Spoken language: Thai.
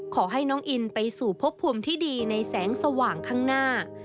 ขอให้น้องอินไปสู่พบภูมิที่ดีในแสงสว่างข้างหน้า